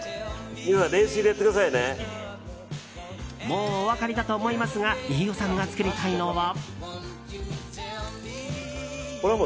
もうお分かりだと思いますが飯尾さんが作りたいのは。